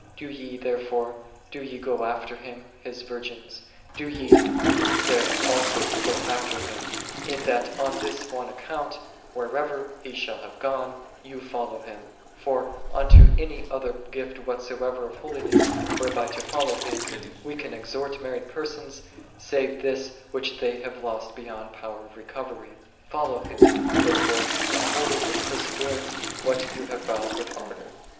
Do ye, therefore, do ye go after Him, His virgins; do ye thither also go after Him, in that on this one account whitherso ever He shall have gone, ye follow Him: for unto any other gift whatsoever of holiness, whereby to follow Him, we can exhort married persons, save this which they have lost be yond power of recovery. Do ye, therefore, fol low Him, by holding with perseverance what ye have vowed with ardor.